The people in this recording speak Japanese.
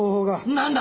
何だ！